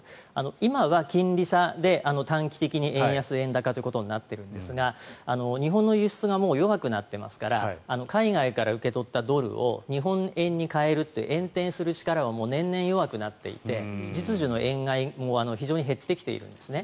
今は金利差で短期的に円安・ドル高となっているんですが日本の輸出がもう弱くなってますから海外から受け取ったドルを日本円に替えるという円転する力は年々弱くなっていて実需の円買いも非常に減ってきているんですね。